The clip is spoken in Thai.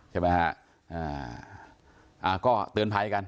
ใช่ไหมฮะอ่าก็เตือนภัยกัน